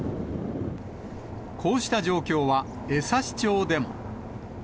こうした状況は、江差町でも。